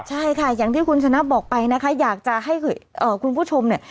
ใช่ค่ะอย่างที่คุณชนะบอกไปนะคะอยากจะให้คุณผู้ชมเนี่ย